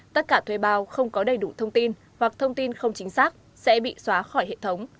tất cả thuê bao không có đầy đủ thông tin hoặc thông tin không chính xác sẽ bị xóa khỏi hệ thống